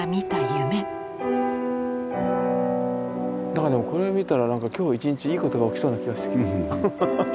何かでもこれを見たら今日一日いいことが起きそうな気がしてきた。